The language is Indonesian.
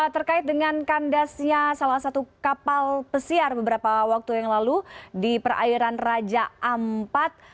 terkait dengan kandasnya salah satu kapal pesiar beberapa waktu yang lalu di perairan raja ampat